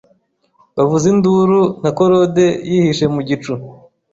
bavuza induru Nka korode yihishe mu gicu